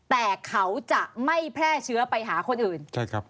แต่เขาจะไม่แพร่เชื้อไปหาคนอื่น